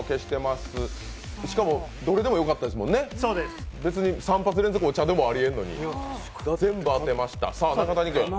しかも、どれでもよかったんですもんね、別に３発連続お茶でもありえるのに全部当てました。